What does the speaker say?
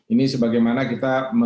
ini sebagaimana kita melakukan